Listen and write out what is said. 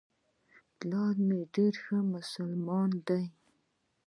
پلار مي ډېر ښه مسلمان دی .